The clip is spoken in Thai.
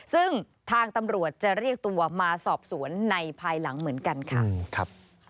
ซึ่งทางตำรวจจะเรียกตัวมาสอบสวนในภายหลังเหมือนกันค่ะ